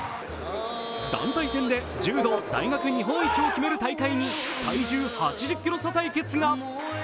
団体戦で柔道大学日本一を決める大会に体重８０ｋｇ差対決が。